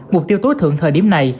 mục tiêu tối thượng thời điểm này